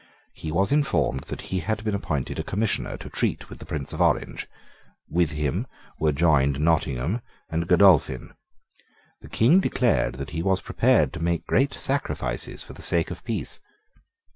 He was informed that he had been appointed a Commissioner to treat with the Prince of Orange. With him were joined Nottingham and Godolphin. The King declared that he was prepared to make great sacrifices for the sake of peace.